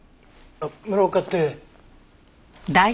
室岡って。